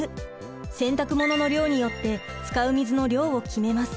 洗濯物の量によって使う水の量を決めます。